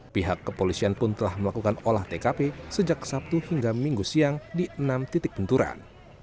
pihak kepolisian pun telah melakukan olah tkp sejak sabtu hingga minggu siang di enam titik benturan